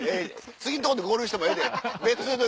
次のとこで合流してもええで別で